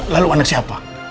lalu anak siapa